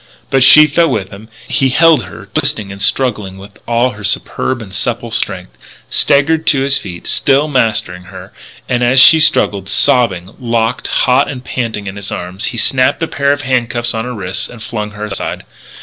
But she fell with him; he held her twisting and struggling with all her superb and supple strength; staggered to his feet, still mastering her; and, as she struggled, sobbing, locked hot and panting in his arms, he snapped a pair of handcuffs on her wrists and flung her aside.